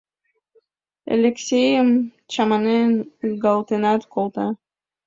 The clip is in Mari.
Элексейым чаманен, ызгалтенат колта.